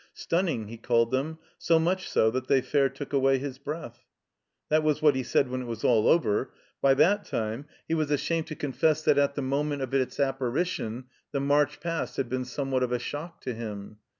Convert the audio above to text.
Stunning, he called them; so much so that they fair took away his breath. That was what he said when it was all over. By that time he was ashamed to confess that at the moment of its apparition the March Past had been somewhat of a shock to him.